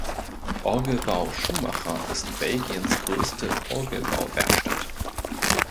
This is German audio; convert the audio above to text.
Orgelbau Schumacher ist Belgiens größte Orgelbauwerkstatt.